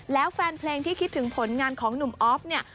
แล้วแฟนเพลงที่คิดถึงผลงานของหนุ่มออฟเนี่ย